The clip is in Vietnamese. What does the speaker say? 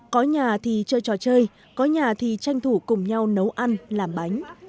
có nhà thì chơi trò chơi có nhà thì tranh thủ cùng nhau nấu ăn làm bánh